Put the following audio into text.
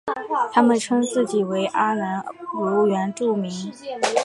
他们称自己为阿男姑原住民。